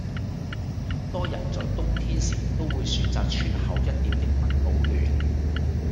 很多人在冬天時都會選擇穿厚一點的襪保暖